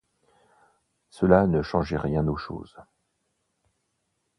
Cela ne changeait rien aux choses.